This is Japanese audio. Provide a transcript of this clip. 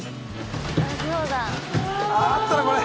あったなこれ。